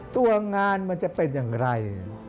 ตัวงานมันจะเป็นอย่างไร